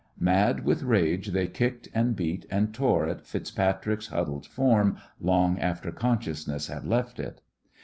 Mad with rage they kicked and beat and tore at FitzPatrick's huddled form long after consciousness had left it.